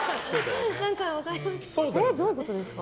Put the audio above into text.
どういうことですか？